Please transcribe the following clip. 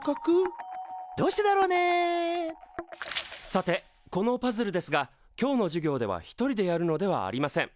さてこのパズルですが今日の授業では１人でやるのではありません。